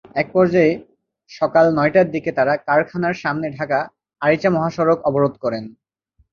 একপর্যায়ে সকাল নয়টার দিকে তাঁরা কারখানার সামনে ঢাকা-আরিচা মহাসড়ক অবরোধ করেন।